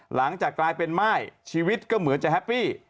หลังจากกลายเป็นม่ายชีวิตก็เหมือนจะแฮปปี้